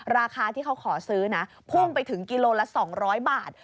ราคาที่เขาขอซื้อนะพุ่งไปถึงกิโลละ๒๐๐บาท